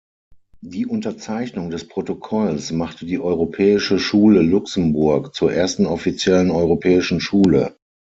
Die Unterzeichnung des Protokolls machte die Europäische Schule Luxemburg zur ersten offiziellen Europäischen Schule.